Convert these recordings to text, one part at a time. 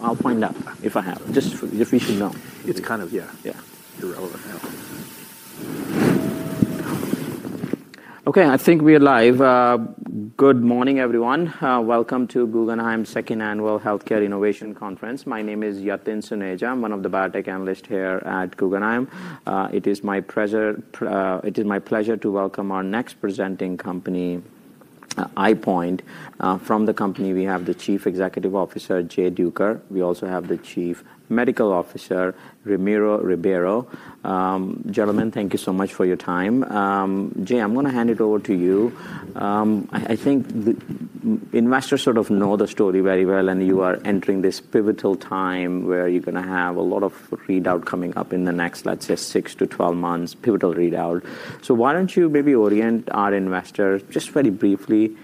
I'll point that out if I have, just so you should know. It's kind of, yeah. Yeah. Irrelevant. Okay, I think we're live. Good morning, everyone. Welcome to Guggenheim's Second Annual Healthcare Innovation Conference. My name is Yatin Suneja. I'm one of the biotech analysts here at Guggenheim. It is my pleasure to welcome our next presenting company, EyePoint. From the company, we have the Chief Executive Officer, Jay Duker. We also have the Chief Medical Officer, Ramiro Ribeiro. Gentlemen, thank you so much for your time. Jay, I'm going to hand it over to you. I think investors sort of know the story very well, and you are entering this pivotal time where you're going to have a lot of readout coming up in the next, let's say, 6-12 months, pivotal readout. Why don't you maybe orient our investors just very briefly?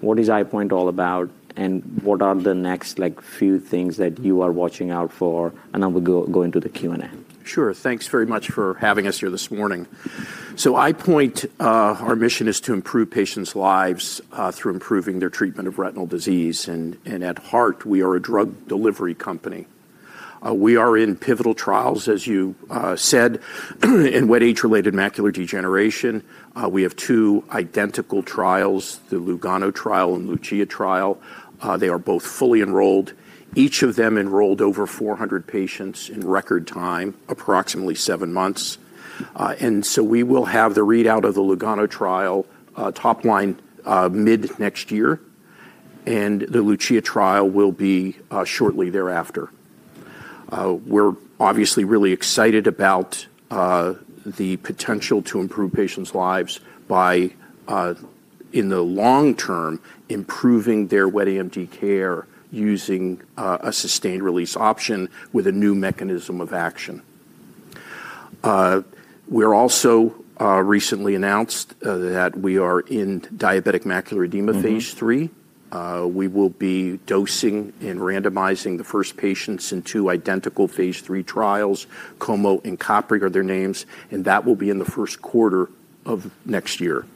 What is EyePoint all about, and what are the next few things that you are watching out for? We'll go into the Q&A. Sure. Thanks very much for having us here this morning. EyePoint, our mission is to improve patients' lives through improving their treatment of retinal disease. At heart, we are a drug delivery company. We are in pivotal trials, as you said, in wet age-related macular degeneration. We have two identical trials, the LUGANO Trial and LUGIA Trial. They are both fully enrolled. Each of them enrolled over 400 patients in record time, approximately seven months. We will have the readout of the LUGANO Trial top line mid next year, and the LUGIA Trial will be shortly thereafter. We're obviously really excited about the potential to improve patients' lives by, in the long term, improving their wet AMD care using a sustained-release option with a new mechanism of action. We also recently announced that we are in diabetic macular edema phase III. We will be dosing and randomizing the first patients in two identical phase III trials, COMO and CAPRI are their names, and that will be in the first quarter of next year.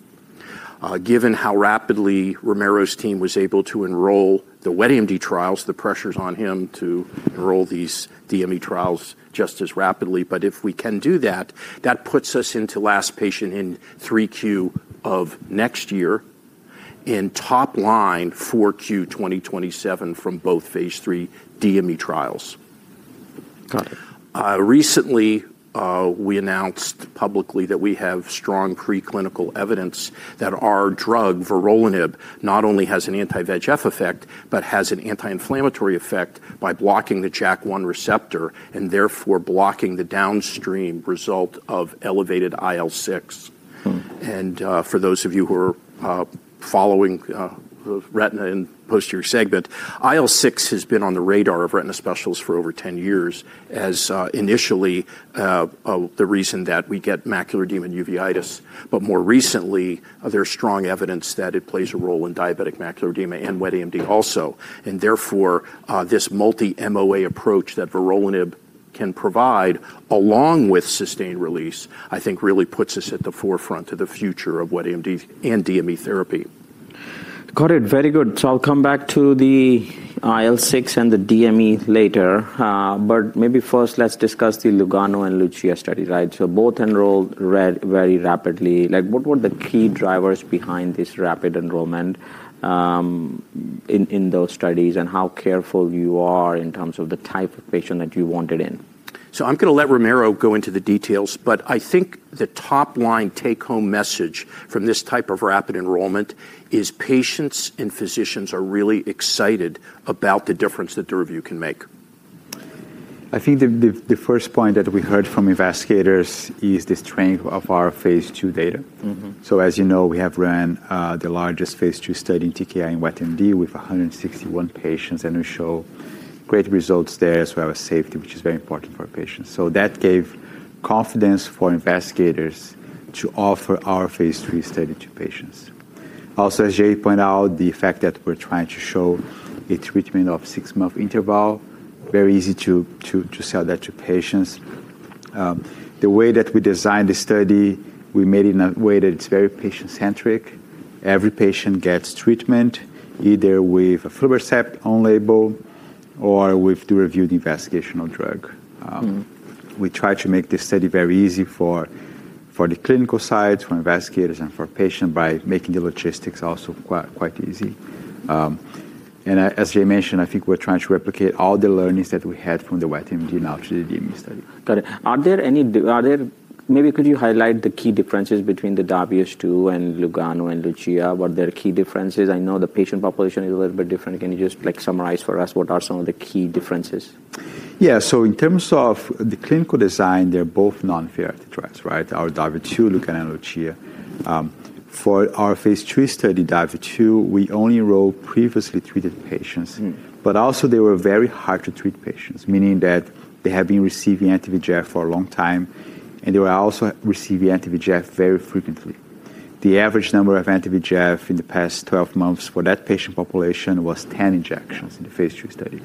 Given how rapidly Ramiro's team was able to enroll the wet AMD trials, the pressure's on him to enroll these DME trials just as rapidly. If we can do that, that puts us into last patient in 3Q of next year and top line 4Q 2027 from both phase III DME trials. Got it. Recently, we announced publicly that we have strong preclinical evidence that our drug, vorolanib, not only has an anti-VEGF effect, but has an anti-inflammatory effect by blocking the JAK1 receptor and therefore blocking the downstream result of elevated IL-6. For those of you who are following retina and posterior segment, IL-6 has been on the radar of retina specialists for over 10 years as initially the reason that we get macular edema and uveitis. More recently, there's strong evidence that it plays a role in diabetic macular edema and wet AMD also. Therefore, this multi-MOA approach that vorolanib can provide along with sustained-release, I think really puts us at the forefront of the future of wet AMD and DME therapy. Got it. Very good. I'll come back to the IL-6 and the DME later. Maybe first, let's discuss the LUGANO and LUGIA study, right? Both enrolled very rapidly. What were the key drivers behind this rapid enrollment in those studies and how careful you are in terms of the type of patient that you wanted in? I'm going to let Ramiro go into the details, but I think the top line take-home message from this type of rapid enrollment is patients and physicians are really excited about the difference that the review can make. I think the first point that we heard from investigators is the strength of our phase II data. As you know, we have run the largest phase II study in TKI and wet AMD with 161 patients, and we show great results there as well as safety, which is very important for patients. That gave confidence for investigators to offer our phase III study to patients. Also, as Jay pointed out, the fact that we're trying to show a treatment of six-month interval, very easy to sell that to patients. The way that we designed the study, we made it in a way that it's very patient-centric. Every patient gets treatment either with aflibercept on label or with the reviewed investigational drug. We try to make this study very easy for the clinical side, for investigators and for patients by making the logistics also quite easy. As Jay mentioned, I think we're trying to replicate all the learnings that we had from the wet AMD and now to the DME study. Got it. Are there any, maybe could you highlight the key differences between the W2 and LUGANO and LUGIA? What are their key differences? I know the patient population is a little bit different. Can you just summarize for us what are some of the key differences? Yeah. In terms of the clinical design, they're both noninferiority drugs, right? Our W2, LUGANO and LUGIA. For our phase III study, W2, we only enrolled previously treated patients, but also they were very hard to treat patients, meaning that they have been receiving anti-VEGF for a long time, and they were also receiving anti-VEGF very frequently. The average number of anti-VEGF in the past 12 months for that patient population was 10 injections in the phase II study.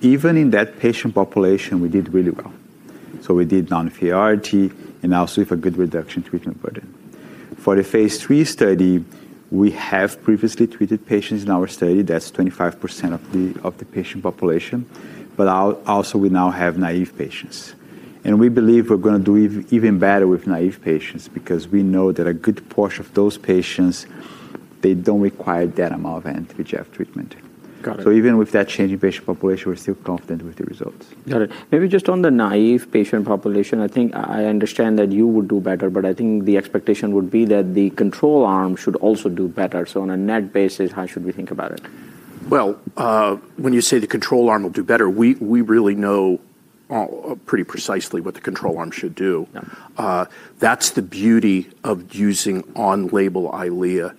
Even in that patient population, we did really well. We did noninferiority and also with a good reduction in treatment burden. For the phase III study, we have previously treated patients in our study. That's 25% of the patient population. Also, we now have naive patients. We believe we're going to do even better with naive patients because we know that a good portion of those patients, they do not require that amount of anti-VEGF treatment. Even with that changing patient population, we're still confident with the results. Got it. Maybe just on the naive patient population, I think I understand that you would do better, but I think the expectation would be that the control arm should also do better. On a net basis, how should we think about it? When you say the control arm will do better, we really know pretty precisely what the control arm should do. That's the beauty of using on-label Eylea.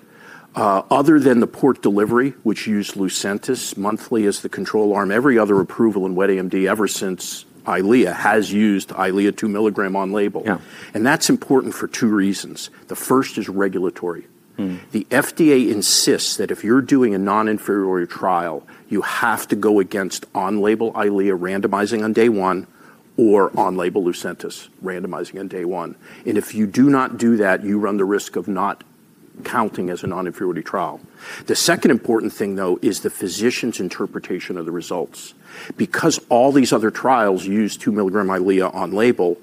Other than the port delivery, which used Lucentis monthly as the control arm, every other approval in wet AMD ever since Eylea has used Eylea 2 mg on label. That's important for two reasons. The first is regulatory. The FDA insists that if you're doing a non-inferior trial, you have to go against on-label Eylea randomizing on day one or on-label Lucentis randomizing on day one. If you do not do that, you run the risk of not counting as a non-inferiority trial. The second important thing, though, is the physician's interpretation of the results. Because all these other trials use 2 mg Eylea on label,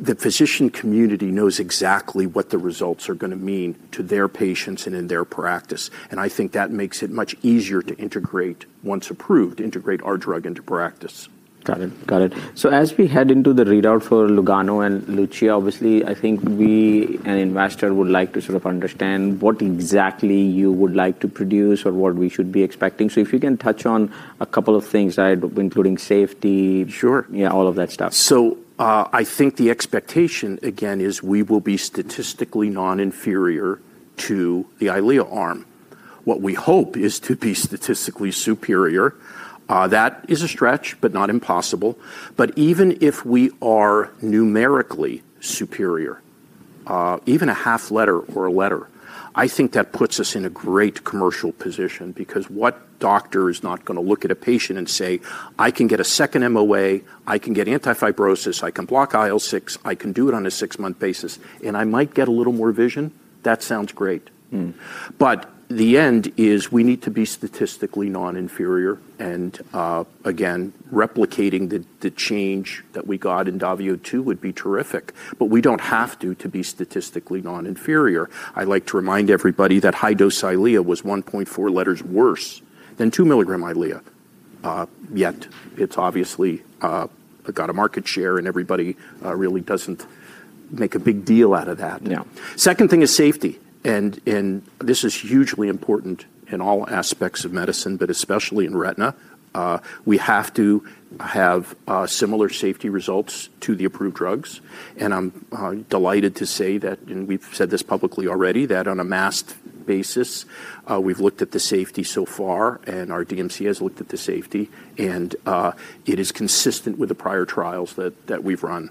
the physician community knows exactly what the results are going to mean to their patients and in their practice. I think that makes it much easier to integrate once approved, integrate our drug into practice. Got it. Got it. As we head into the readout for LUGANO and LUGIA, obviously, I think we and investors would like to sort of understand what exactly you would like to produce or what we should be expecting. If you can touch on a couple of things, including safety. Sure. Yeah, all of that stuff. I think the expectation, again, is we will be statistically non-inferior to the Eylea arm. What we hope is to be statistically superior. That is a stretch, but not impossible. Even if we are numerically superior, even a half letter or a letter, I think that puts us in a great commercial position because what doctor is not going to look at a patient and say, "I can get a second MOA, I can get anti-fibrosis, I can block IL-6, I can do it on a six-month basis, and I might get a little more vision?" That sounds great. The end is we need to be statistically non-inferior. Again, replicating the change that we got in W2 would be terrific, but we do not have to be statistically non-inferior. I like to remind everybody that high-dose Eylea was 1.4 letters worse than 2 mg Eylea. Yet it's obviously got a market share, and everybody really doesn't make a big deal out of that. The second thing is safety. This is hugely important in all aspects of medicine, but especially in retina. We have to have similar safety results to the approved drugs. I'm delighted to say that, and we've said this publicly already, that on a mass basis, we've looked at the safety so far, and our DMC has looked at the safety, and it is consistent with the prior trials that we've run.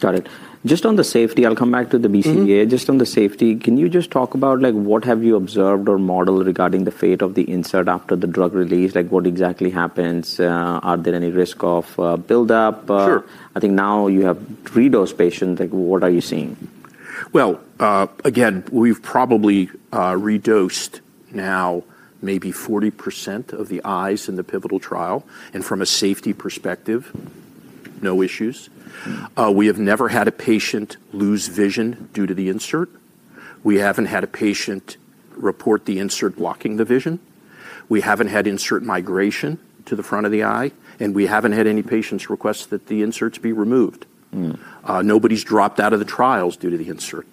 Got it. Just on the safety, I'll come back to the BCVA. Just on the safety, can you just talk about what have you observed or modeled regarding the fate of the insert after the drug release? What exactly happens? Are there any risk of buildup? Sure. I think now you have three dose patients. What are you seeing? Again, we've probably redosed now maybe 40% of the eyes in the pivotal trial. From a safety perspective, no issues. We have never had a patient lose vision due to the insert. We haven't had a patient report the insert blocking the vision. We haven't had insert migration to the front of the eye, and we haven't had any patients request that the inserts be removed. Nobody's dropped out of the trials due to the insert.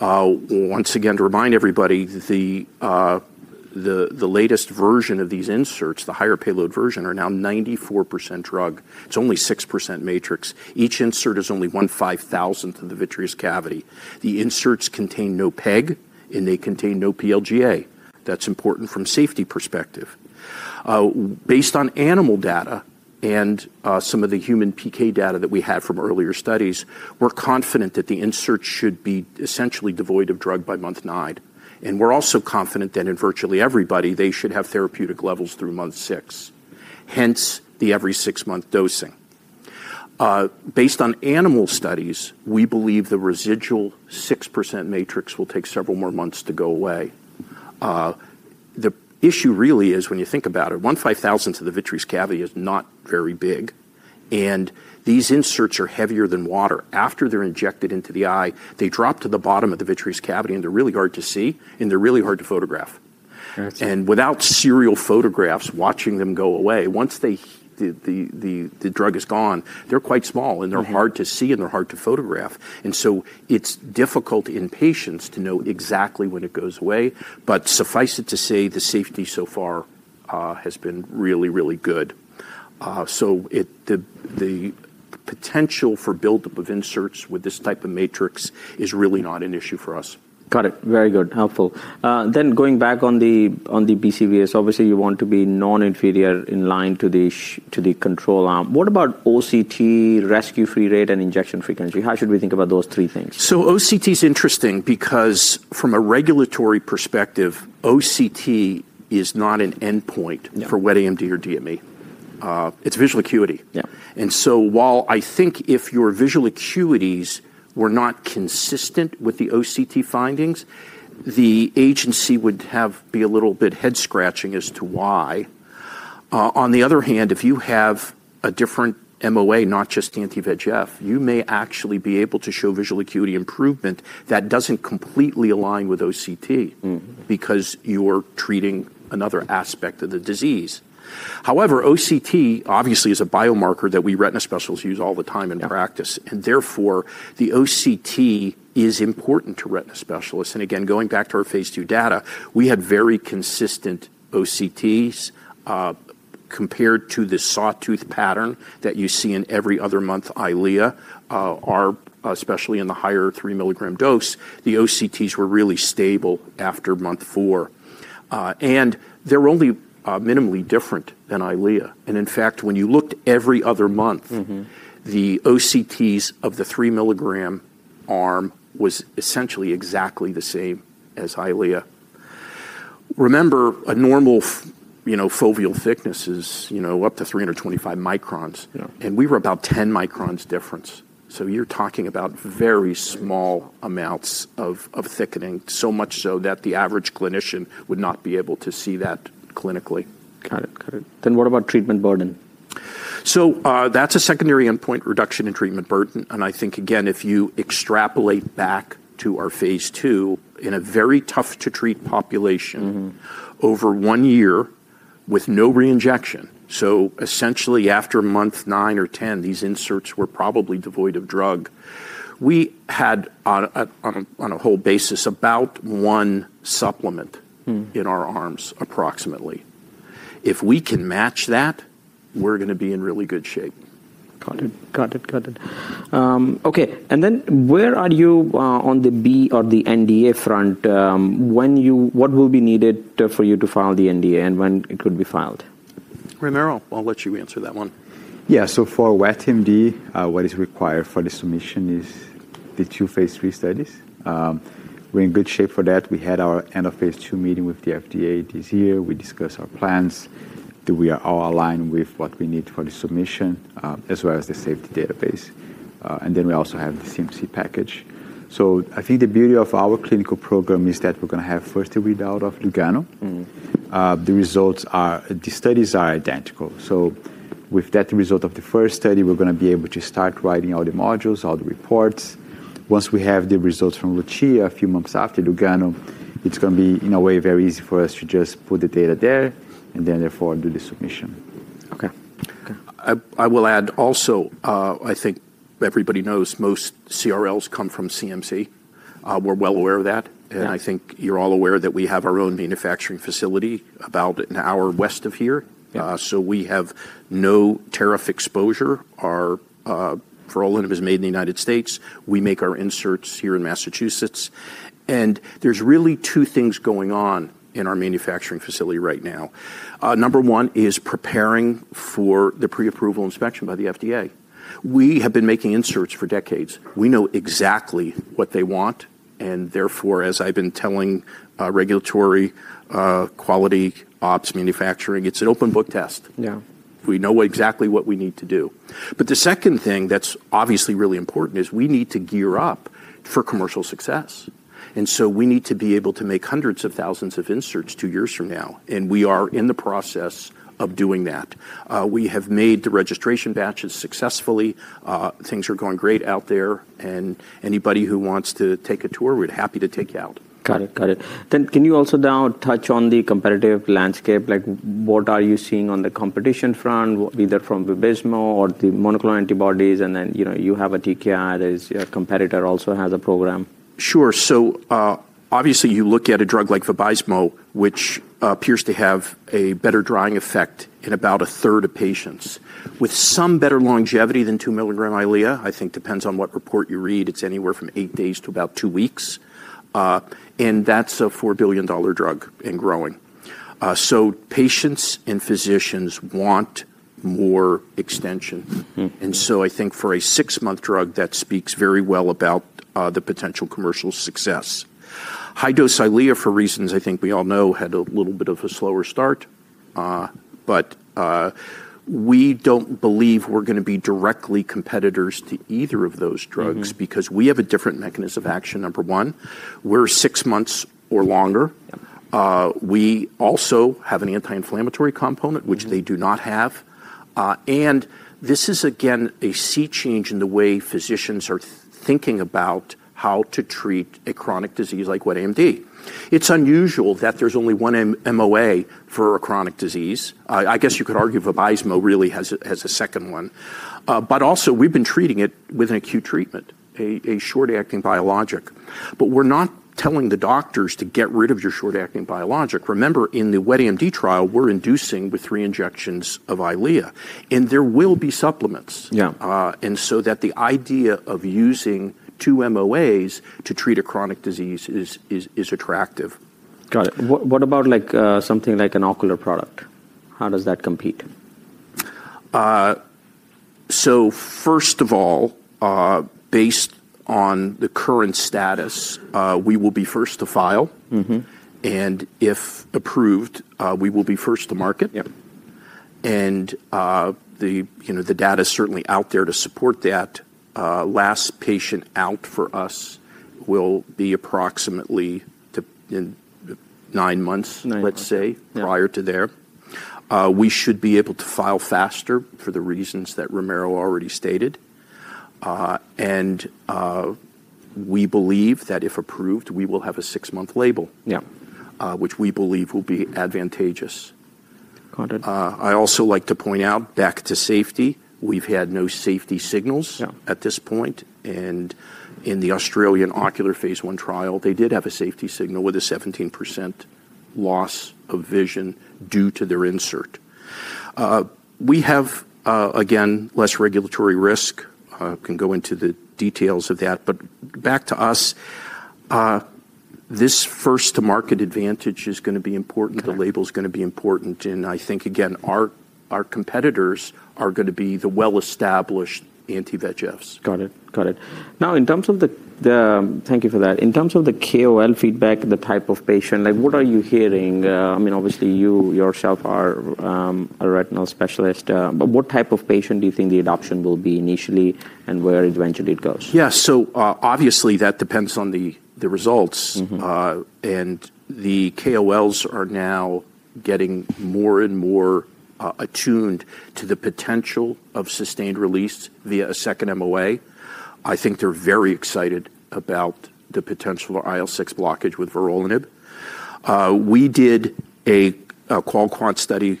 Once again, to remind everybody, the latest version of these inserts, the higher payload version, are now 94% drug. It's only 6% matrix. Each insert is only one five-thousandth of the vitreous cavity. The inserts contain no PEG, and they contain no PLGA. That's important from a safety perspective. Based on animal data and some of the human PK data that we had from earlier studies, we're confident that the inserts should be essentially devoid of drug by month nine. We're also confident that in virtually everybody, they should have therapeutic levels through month six. Hence, the every six-month dosing. Based on animal studies, we believe the residual 6% matrix will take several more months to go away. The issue really is when you think about it, one five-thousandth of the vitreous cavity is not very big. These inserts are heavier than water. After they're injected into the eye, they drop to the bottom of the vitreous cavity, and they're really hard to see, and they're really hard to photograph. Without serial photographs watching them go away, once the drug is gone, they're quite small, and they're hard to see, and they're hard to photograph. It is difficult in patients to know exactly when it goes away. Suffice it to say, the safety so far has been really, really good. The potential for buildup of inserts with this type of matrix is really not an issue for us. Got it. Very good. Helpful. Going back on the BCVAs, obviously you want to be non-inferior in line to the control arm. What about OCT, rescue free rate, and injection frequency? How should we think about those three things? OCT is interesting because from a regulatory perspective, OCT is not an endpoint for wet AMD or DME. It's visual acuity. While I think if your visual acuities were not consistent with the OCT findings, the agency would have to be a little bit head-scratching as to why. On the other hand, if you have a different MOA, not just anti-VEGF, you may actually be able to show visual acuity improvement that doesn't completely align with OCT because you're treating another aspect of the disease. However, OCT obviously is a biomarker that we retina specialists use all the time in practice. Therefore, the OCT is important to retina specialists. Again, going back to our phase II data, we had very consistent OCTs compared to the sawtooth pattern that you see in every other month Eylea, especially in the higher 3 mg dose. The OCTs were really stable after month four. They are only minimally different than Eylea. In fact, when you looked every other month, the OCTs of the 3 mg arm was essentially exactly the same as Eylea. Remember, a normal foveal thickness is up to 325 microns, and we were about 10 microns difference. You are talking about very small amounts of thickening, so much so that the average clinician would not be able to see that clinically. Got it. Got it. What about treatment burden? That's a secondary endpoint, reduction in treatment burden. I think, again, if you extrapolate back to our phase II in a very tough-to-treat population over one year with no reinjection, so essentially after month nine or ten, these inserts were probably devoid of drug, we had on a whole basis about one supplement in our arms approximately. If we can match that, we're going to be in really good shape. Got it. Okay. And then where are you on the B or the NDA front? What will be needed for you to file the NDA and when it could be filed? Ramiro, I'll let you answer that one. Yeah. For wet AMD, what is required for the submission is the two phase III studies. We're in good shape for that. We had our end of phase II meeting with the FDA this year. We discussed our plans, that we are all aligned with what we need for the submission, as well as the safety database. We also have the CMC package. I think the beauty of our clinical program is that we're going to have first the readout of LUGANO. The results are, the studies are identical. With that result of the first study, we're going to be able to start writing all the modules, all the reports. Once we have the results from LUGIA a few months after LUGANO, it's going to be in a way very easy for us to just put the data there and therefore do the submission. Okay. I will add also, I think everybody knows most CRLs come from CMC. We're well aware of that. I think you're all aware that we have our own manufacturing facility about an hour west of here. We have no tariff exposure. Our parole item is made in the United States. We make our inserts here in Massachusetts. There are really two things going on in our manufacturing facility right now. Number one is preparing for the pre-approval inspection by the FDA. We have been making inserts for decades. We know exactly what they want. Therefore, as I've been telling regulatory quality ops manufacturing, it's an open book test. We know exactly what we need to do. The second thing that's obviously really important is we need to gear up for commercial success. We need to be able to make hundreds of thousands of inserts two years from now. We are in the process of doing that. We have made the registration batches successfully. Things are going great out there. Anybody who wants to take a tour, we're happy to take you out. Got it. Got it. Can you also now touch on the competitive landscape? What are you seeing on the competition front, either from VABYSMO or the monoclonal antibodies? You have a TKI that is a competitor also has a program. Sure. Obviously you look at a drug like VABYSMO, which appears to have a better drying effect in about a third of patients, with some better longevity than 2 mg Eylea. I think it depends on what report you read. It's anywhere from eight days to about two weeks. That's a $4 billion drug and growing. Patients and physicians want more extension. I think for a six-month drug, that speaks very well about the potential commercial success. High-dose Eylea, for reasons I think we all know, had a little bit of a slower start. We don't believe we're going to be direct competitors to either of those drugs because we have a different mechanism of action, number one. We're six months or longer. We also have an anti-inflammatory component, which they do not have. This is, again, a sea change in the way physicians are thinking about how to treat a chronic disease like wet AMD. It's unusual that there's only one MOA for a chronic disease. I guess you could argue VABYSMO really has a second one. Also, we've been treating it with an acute treatment, a short-acting biologic. We're not telling the doctors to get rid of your short-acting biologic. Remember, in the wet AMD trial, we're inducing with three injections of Eylea. There will be supplements. The idea of using two MOAs to treat a chronic disease is attractive. Got it. What about something like an ocular product? How does that compete? First of all, based on the current status, we will be first to file. If approved, we will be first to market. The data is certainly out there to support that. Last patient out for us will be approximately nine months, let's say, prior to theirs. We should be able to file faster for the reasons that Ramiro already stated. We believe that if approved, we will have a six-month label, which we believe will be advantageous. I also like to point out, back to safety, we've had no safety signals at this point. In the Australian ocular phase I trial, they did have a safety signal with a 17% loss of vision due to their insert. We have, again, less regulatory risk. I can go into the details of that. Back to us, this first-to-market advantage is going to be important. The label is going to be important. I think, again, our competitors are going to be the well-established anti-VEGFs. Got it. Got it. Now, in terms of the—thank you for that. In terms of the KOL feedback, the type of patient, what are you hearing? I mean, obviously you yourself are a retinal specialist. But what type of patient do you think the adoption will be initially and where eventually it goes? Yeah. Obviously that depends on the results. The KOLs are now getting more and more attuned to the potential of sustained release via a second MOA. I think they're very excited about the potential for IL-6 blockage with vorolanib. We did a QualQuant study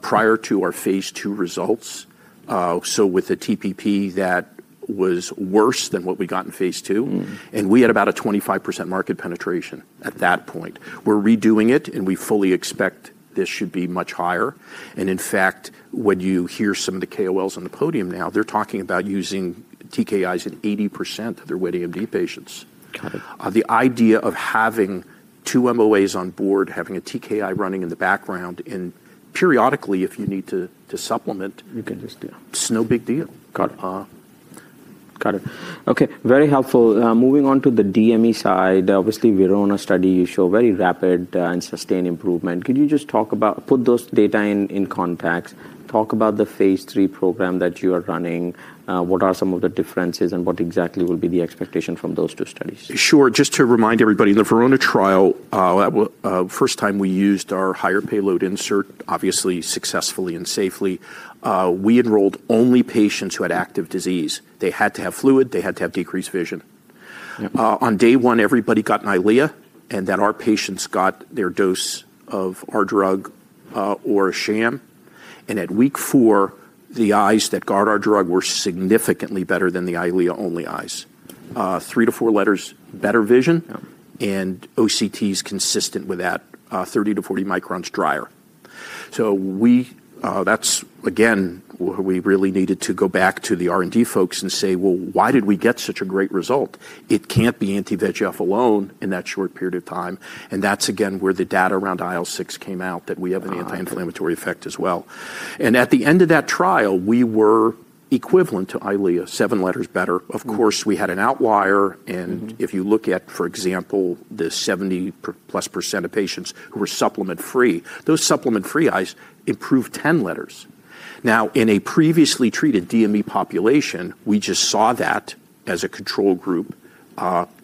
prior to our phase II results. With a TPP that was worse than what we got in phase II, we had about a 25% market penetration at that point. We're redoing it, and we fully expect this should be much higher. In fact, when you hear some of the KOLs on the podium now, they're talking about using TKIs in 80% of their wet AMD patients. The idea of having two MOAs on board, having a TKI running in the background, and periodically, if you need to supplement, it's no big deal. Got it. Got it. Okay. Very helpful. Moving on to the DME side, obviously VERONA study, you show very rapid and sustained improvement. Could you just talk about, put those data in context, talk about the phase III program that you are running? What are some of the differences and what exactly will be the expectation from those two studies? Sure. Just to remind everybody, in the Verona trial, the first time we used our higher payload insert, obviously successfully and safely, we enrolled only patients who had active disease. They had to have fluid. They had to have decreased vision. On day one, everybody got an Eylea, and then our patients got their dose of our drug or a sham. At week four, the eyes that got our drug were significantly better than the Eylea-only eyes. Three to four letters better vision, and OCTs consistent with that, 30-40 microns drier. That is, again, where we really needed to go back to the R&D folks and say, "Why did we get such a great result? It cannot be anti-VEGF alone in that short period of time." That is, again, where the data around IL-6 came out that we have an anti-inflammatory effect as well. At the end of that trial, we were equivalent to Eylea, seven letters better. Of course, we had an outlier. If you look at, for example, the 70% of patients who were supplement-free, those supplement-free eyes improved 10 letters. Now, in a previously treated DME population, we just saw that as a control group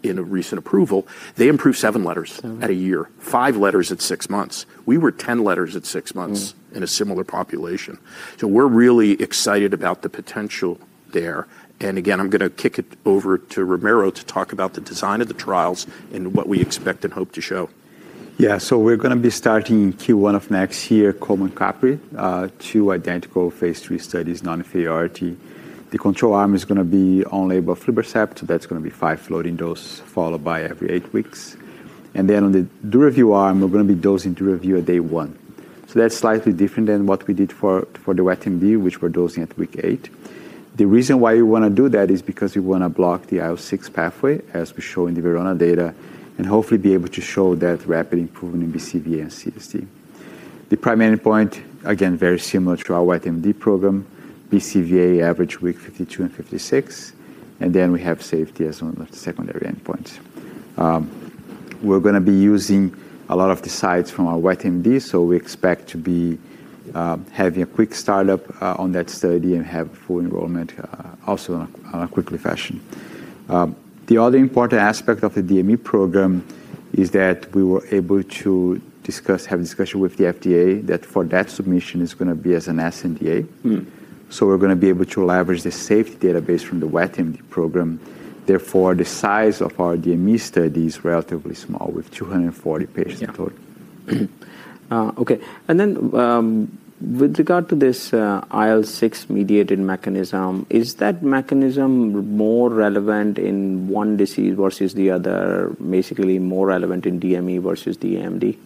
in a recent approval. They improved seven letters at a year, five letters at six months. We were 10 letters at six months in a similar population. We are really excited about the potential there. Again, I'm going to kick it over to Ramiro to talk about the design of the trials and what we expect and hope to show. Yeah. We're going to be starting Q1 of next year, Coleman-Capray, two identical phase III studies, noninferiority. The control arm is going to be only aflibercept. That's going to be five loading doses followed by every eight weeks. On the DURAVUE arm, we're going to be dosing DURAVUE at day one. That's slightly different than what we did for the wet AMD, which we're dosing at week eight. The reason why we want to do that is because we want to block the IL-6 pathway, as we show in the Verona data, and hopefully be able to show that rapid improvement in BCVA and CST. The primary endpoint, again, very similar to our wet AMD program, BCVA average week 52 and 56. We have safety as one of the secondary endpoints. We're going to be using a lot of the sites from our wet AMD. We expect to be having a quick startup on that study and have full enrollment also in a quick fashion. The other important aspect of the DME program is that we were able to have a discussion with the FDA that for that submission is going to be as an sNDA. We're going to be able to leverage the safety database from the wet AMD program. Therefore, the size of our DME study is relatively small with 240 patients in total. Okay. And then with regard to this IL-6 mediated mechanism, is that mechanism more relevant in one disease versus the other, basically more relevant in DME versus DMD?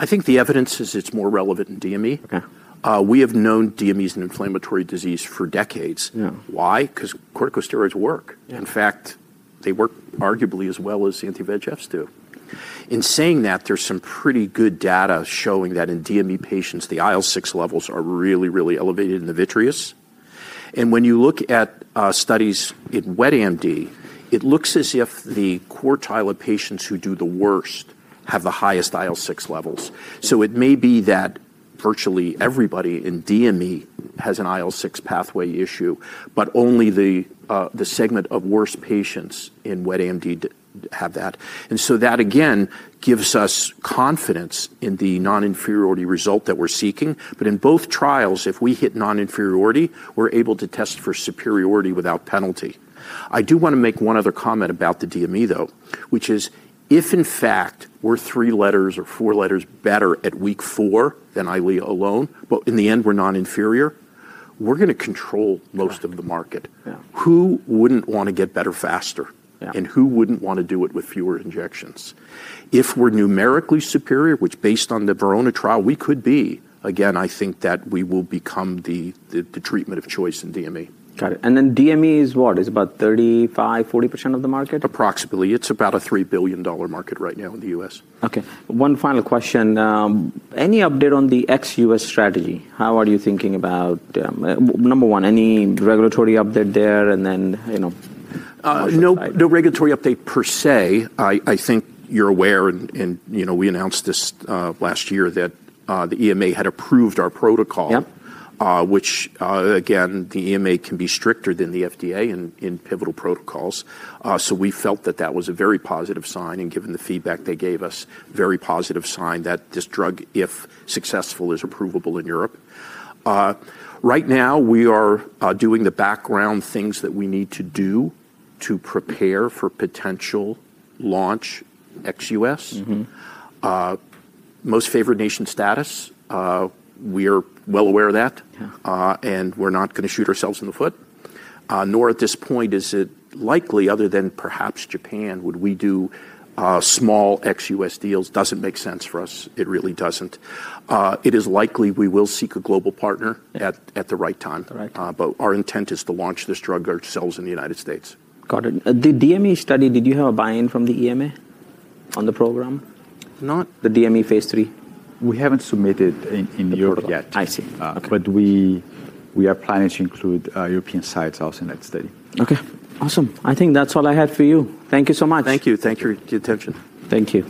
I think the evidence is it's more relevant in DME. We have known DME is an inflammatory disease for decades. Why? Because corticosteroids work. In fact, they work arguably as well as anti-VEGFs do. In saying that, there's some pretty good data showing that in DME patients, the IL-6 levels are really, really elevated in the vitreous. When you look at studies in wet AMD, it looks as if the quartile of patients who do the worst have the highest IL-6 levels. It may be that virtually everybody in DME has an IL-6 pathway issue, but only the segment of worst patients in wet AMD have that. That, again, gives us confidence in the noninferiority result that we're seeking. In both trials, if we hit noninferiority, we're able to test for superiority without penalty. I do want to make one other comment about the DME, though, which is if in fact we're three letters or four letters better at week four than Eylea alone, but in the end, we're noninferior, we're going to control most of the market. Who wouldn't want to get better faster? Who wouldn't want to do it with fewer injections? If we're numerically superior, which based on the Verona trial, we could be. Again, I think that we will become the treatment of choice in DME. Got it. DME is what? It's about 35%-40% of the market? Approximately. It's about a $3 billion market right now in the U.S. Okay. One final question. Any update on the ex-US strategy? How are you thinking about, number one, any regulatory update there and then? No regulatory update per se. I think you're aware, and we announced this last year that the EMA had approved our protocol, which again, the EMA can be stricter than the FDA in pivotal protocols. We felt that that was a very positive sign and given the feedback they gave us, a very positive sign that this drug, if successful, is approvable in Europe. Right now, we are doing the background things that we need to do to prepare for potential launch ex-US. Most favored nation status. We are well aware of that. We're not going to shoot ourselves in the foot. Nor at this point is it likely, other than perhaps Japan, would we do small ex-US deals. Doesn't make sense for us. It really doesn't. It is likely we will seek a global partner at the right time. Our intent is to launch this drug ourselves in the United States. Got it. The DME study, did you have a buy-in from the EMA on the program? Not. The DME phase III? We haven't submitted in Europe yet. I see. Okay. We are planning to include European sites also in that study. Okay. Awesome. I think that's all I had for you. Thank you so much. Thank you. Thank you for your attention. Thank you.